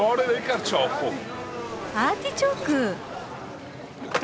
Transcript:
アーティチョーク。